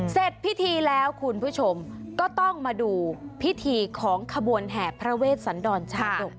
เสร็จพิธีแล้วคุณผู้ชมก็ต้องมาดูพิธีของขบวนแห่พระเวชสันดรชาดก